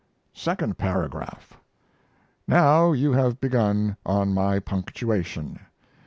Second Paragraph. Now you have begun on my punctuation.